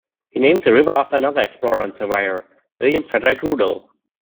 He named the river after another explorer and surveyor, William Frederick Rudall.